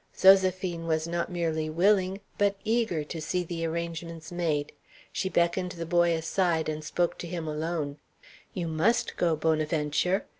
Zoséphine was not merely willing, but eager, to see the arrangements made. She beckoned the boy aside and spoke to him alone. "You must go, Bonaventure.